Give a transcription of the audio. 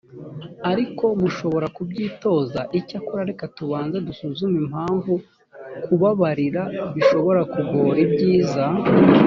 ariko mushobora kubyitoza icyakora reka tubanze dusuzume impamvu kubabarira bishobora kugora ibyiza